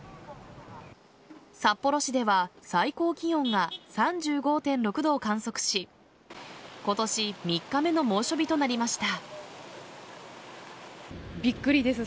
札幌市では最高気温が３５．６度を観測し今年３日目の猛暑日となりました。